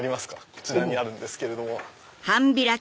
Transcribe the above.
こちらにあるんですけれども。